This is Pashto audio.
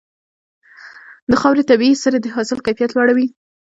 د خاورې طبيعي سرې د حاصل کیفیت لوړوي.